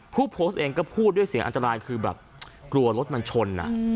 ผู้โพสต์เองก็พูดด้วยเสียงอันตรายคือแบบกลัวรถมันชน